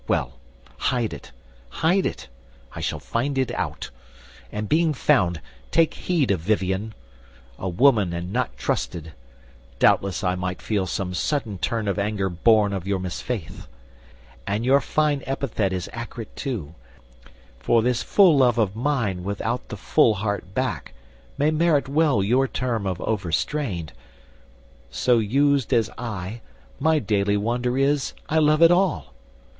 Well, hide it, hide it; I shall find it out; And being found take heed of Vivien. A woman and not trusted, doubtless I Might feel some sudden turn of anger born Of your misfaith; and your fine epithet Is accurate too, for this full love of mine Without the full heart back may merit well Your term of overstrained. So used as I, My daily wonder is, I love at all.